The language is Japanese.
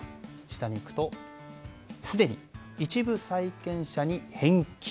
下に行くとすでに一部債権者に返金。